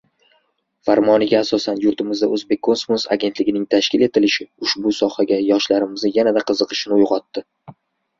Farmoni asosida yurtimizda «Oʼzbekkosmos» agentligining tashkil etilishi ushbu sohaga yoshlarimizni yanada qiziqishini uygʼotdi.